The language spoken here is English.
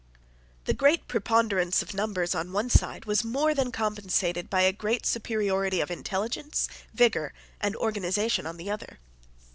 The great preponderance of numbers on one side was more than compensated by a great superiority of intelligence, vigour, and organization on the other.